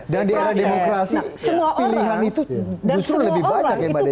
dan di era demokrasi pilihan itu justru lebih banyak ya mbak desya